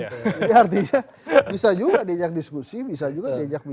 jadi artinya bisa juga dijang diskusi bisa juga diperbaiki